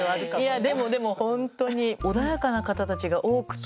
いやでもでも本当に穏やかな方たちが多くて。